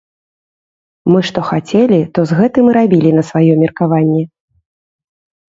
Мы што хацелі, то з гэтым і рабілі на сваё меркаванне.